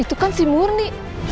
itu kan si murni